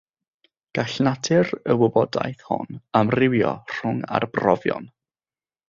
Gall natur y wybodaeth hon amrywio rhwng arbrofion.